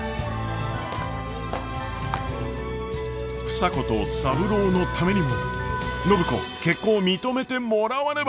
房子と三郎のためにも暢子結婚を認めてもらわねば。